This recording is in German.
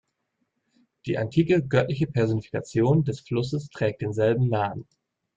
Die antike göttliche Personifikation des Flusses trägt denselben Namen.